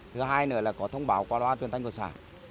thứ hai nữa là có thông báo qua loa truyền thanh của xã